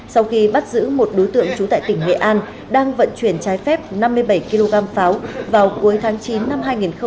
sau khi bắt giữ một đối tượng trú tại tỉnh nghệ an đang vận chuyển trái phép năm mươi bảy kg pháo vào cuối tháng chín năm hai nghìn hai mươi ba